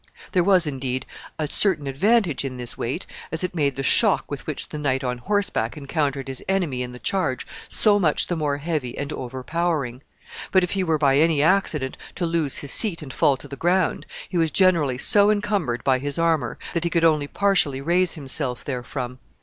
There was, indeed, a certain advantage in this weight, as it made the shock with which the knight on horseback encountered his enemy in the charge so much the more heavy and overpowering; but if he were by any accident to lose his seat and fall to the ground, he was generally so encumbered by his armor that he could only partially raise himself therefrom.